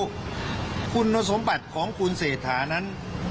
คุณสมบัติของคุณเศรษฐานั้น